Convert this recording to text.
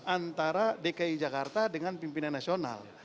antara dki jakarta dengan pimpinan nasional